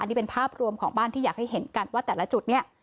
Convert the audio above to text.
นี่เป็นภาพรวมของบ้านที่อยากให้เห็นกันว่าแต่ละจุดเนี่ย